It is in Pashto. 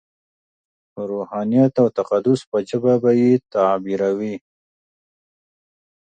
په روحانیت او تقدس په ژبه به یې تعبیروي.